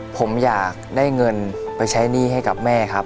ผมอยากได้เงินไปใช้หนี้ให้กับแม่ครับ